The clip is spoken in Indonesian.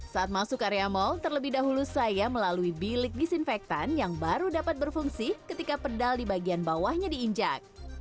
saat masuk area mal terlebih dahulu saya melalui bilik disinfektan yang baru dapat berfungsi ketika pedal di bagian bawahnya diinjak